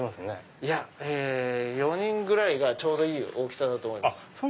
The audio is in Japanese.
いや４人ぐらいがちょうどいい大きさだと思います。